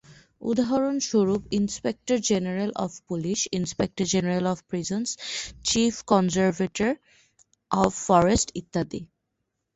উদাহরণস্বরূপ inspector general of police, inspector general of prisons, chief conservator of forests ইত্যাদি।